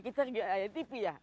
kita tidak menyalakan tv ya